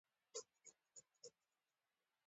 د تخنیکي علومو زده کړه مهمه ده.